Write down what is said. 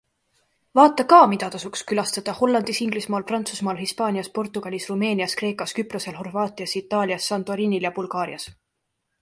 Vaata ka, mida tasuks külastada Hollandis, Inglismaal, Prantsusmaal, Hispaanias, Portugalis, Rumeenias, Kreekas, Küprosel, Horvaatias, Itaalias, Santorinil ja Bulgaarias.